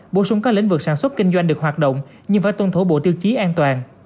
bổ sung các lĩnh vực sản xuất kinh doanh được hoạt động nhưng phải tuân thủ bộ tiêu chí an toàn